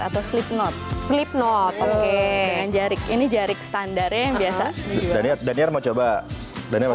atau slip knot slip knot oke jarik ini jarik standarnya yang biasa danir mau coba danir mau